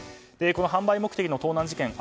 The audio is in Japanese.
この販売目的の盗難事件